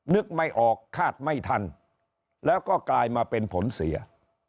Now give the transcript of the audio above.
นึกไม่ออกคาดไม่ทันแล้วก็กลายมาเป็นผลเสีย